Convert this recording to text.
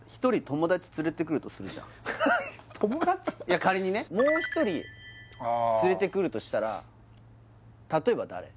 いや仮にねもう一人連れてくるとしたら例えば誰？